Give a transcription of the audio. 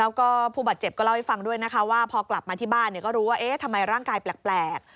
แล้วก็ผู้บาดเจ็บก็เล่าให้ฟังด้วยนะคะว่าพอกลับมาที่บ้านก็รู้ว่าเอ๊ะทำไมร่างกายแปลก